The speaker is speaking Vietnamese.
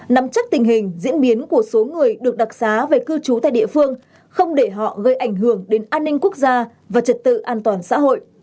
nắm chắc tình hình diễn biến của số người được đặc xá về cư trú tại địa phương không để họ gây ảnh hưởng đến an ninh quốc gia và trật tự an toàn xã hội